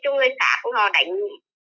cho người xã của họ đánh